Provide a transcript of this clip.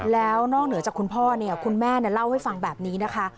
แล้วนอกเหนือจากคุณพ่อเนี่ยคุณแม่เล่าให้ฟังแบบนี้นะคะ